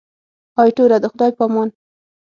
ایټوره د خدای په امان.